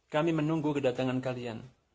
kami menunggu kedatangan kalian